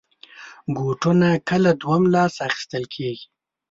بوټونه کله دوهم لاس اخېستل کېږي.